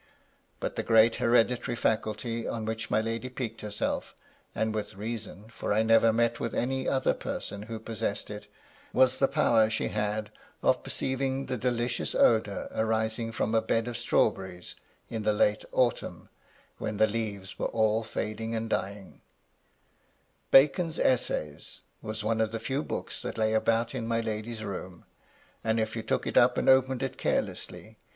But the great hereditary faculty on which my lady piqued herself, and with reason, for I never met with any other person who possessed it, was the power she had of perceiving the delicious odour arising from a bed of strawberries in the late autumn, when the leaves were all fading and dying, " Bacon's Essays " was one of the few books that lay about in my lady's room ; and if you took it up and opened it carelessly, VOL. I. E 74 MY LADY LUDLOW.